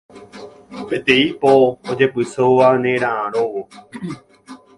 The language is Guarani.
Peteĩ po ojepysóva nera'ãrõvo